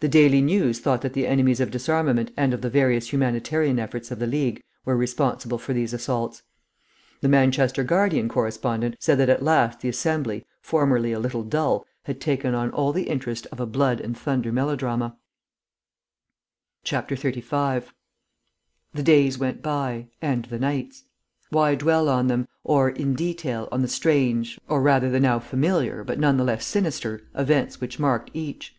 The Daily News thought that the enemies of disarmament and of the various humanitarian efforts of the League were responsible for these assaults. The Manchester Guardian correspondent said that at last the Assembly, formerly a little dull, had taken on all the interest of a blood and thunder melodrama.... 35 The days went by, and the nights. Why dwell on them, or, in detail, on the strange or rather the now familiar, but none the less sinister events which marked each?